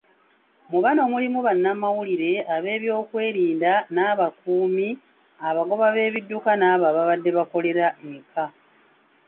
Mu bano mulimu bannamawulire, ab'ebyokwerinda, n'abakuumi, abagoba b'ebidduka n'abo ababadde bakolera eka.